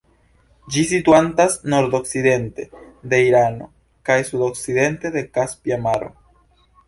Ĝi situantas nordokcidente de Irano kaj sudokcidente de Kaspia Maro.